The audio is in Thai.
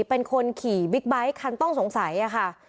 เป็นคนขี่บิ๊กไบท์คันต้องสงสัยค่ะ